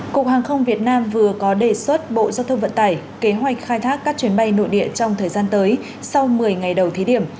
cục hàng không việt nam vừa có đề xuất bộ giao thông vận tải kế hoạch khai thác các chuyến bay nội địa trong thời gian tới sau một mươi ngày đầu thí điểm